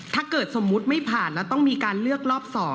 ถ้าเกิดสมมุติไม่ผ่านแล้วต้องมีการเลือกรอบ๒